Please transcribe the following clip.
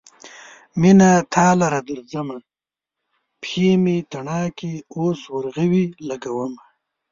مينه تا لره درځمه : پښې مې تڼاکې اوس ورغوي لګومه